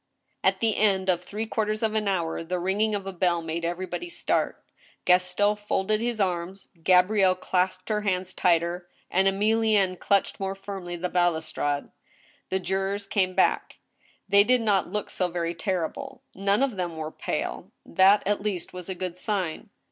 At the end of three quarters of an hour, the ringing of a bell made everybody start. Gaston folded his arms, Gabrielle clasped her hands tighter, and Emilienne clutched more firmly the balus trade. The jurors came back. They did not look so very terrible. None of them were pale. That, at least, was a good sign.